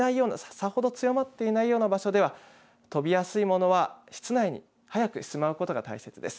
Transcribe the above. さほど強まっていないような場所では飛びやすいものは室内に早くしまうことが大切です。